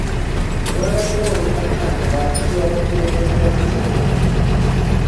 Waabaddewo obutakkaanya wakati w'abakulembeze ba disitulikiti.